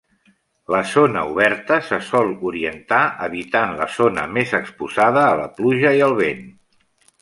La zona oberta se sol orientar evitant la zona més exposada a la pluja i al vent.